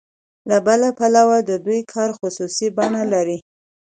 له بل پلوه د دوی کار خصوصي بڼه لري